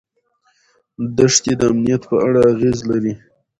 دښتې د امنیت په اړه اغېز لري.